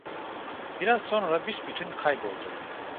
Biraz sonra büsbütün kayboldu.